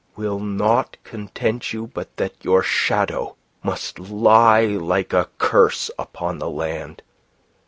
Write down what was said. Will naught content you but that your shadow must lie like a curse upon the land?